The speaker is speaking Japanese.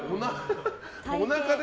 おなかで。